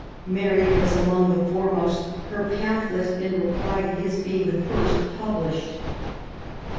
Mary was among the foremost, her pamphlet in reply to his being the first published.